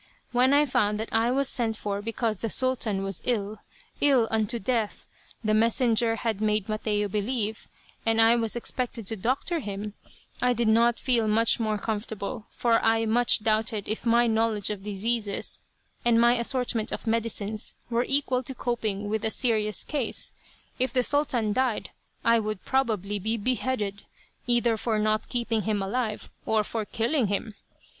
When I found that I was sent for because the Sultan was ill, ill unto death, the messenger had made Mateo believe, and I was expected to doctor him, I did not feel much more comfortable, for I much doubted if my knowledge of diseases, and my assortment of medicines, were equal to coping with a serious case. If the Sultan died I would probably be beheaded, either for not keeping him alive, or for killing him.